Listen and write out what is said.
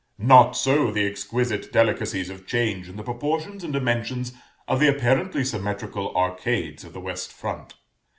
Not so the exquisite delicacies of change in the proportions and dimensions of the apparently symmetrical arcades of the west front.